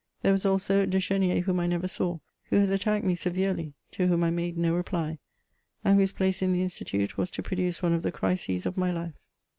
There was also De Ch^nier whom I never saw, who has attacked me severely, to whom I made no reply, and whose place in the Institute was to produce one of the crises of mj life.